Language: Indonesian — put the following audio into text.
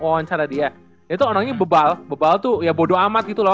wah cara dia itu beginilerde balugrok ya bodo amat di teban